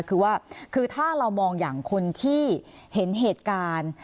คือว่าคือถ้าเรามองอย่างคนที่เห็นเหตุการณ์